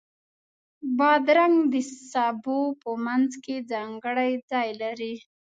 بادرنګ د سبو په منځ کې ځانګړی ځای لري.